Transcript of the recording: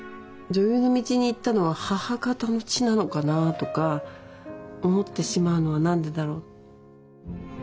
女優の道に行ったのは母方の血なのかなとか思ってしまうのは何でだろう？